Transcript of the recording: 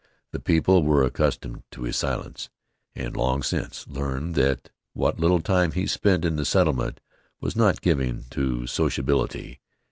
The people were accustomed to his silence, and long since learned that what little time he spent in the settlement was not given to sociability.